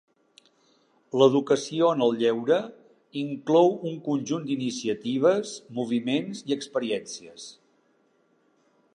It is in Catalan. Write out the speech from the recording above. L'educació en el lleure inclou un conjunt d'iniciatives, moviments i experiències.